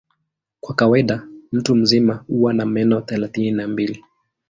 Kwa kawaida mtu mzima huwa na meno thelathini na mbili.